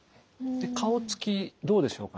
顔つきどうでしょうかね？